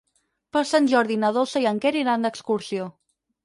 Per Sant Jordi na Dolça i en Quer iran d'excursió.